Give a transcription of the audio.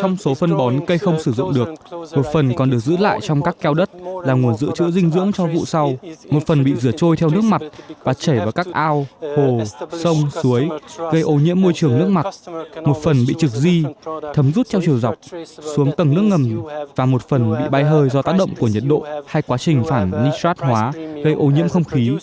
trong số phân bón cây không sử dụng được một phần còn được giữ lại trong các keo đất là nguồn giữ chữ dinh dưỡng cho vụ sau một phần bị rửa trôi theo nước mặt và chảy vào các ao hồ sông suối gây ô nhiễm môi trường nước mặt một phần bị trực di thấm rút theo chiều dọc xuống tầng nước ngầm và một phần bị bay hơi do tác động của nhiệt độ hay quá trình phản nitrat hóa gây ô nhiễm không khí